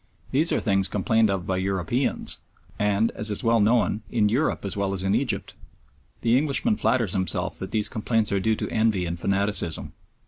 These are things complained of by Europeans, and, as is well known, in Europe as well as in Egypt. The Englishman flatters himself that these complaints are due to envy and fanaticism.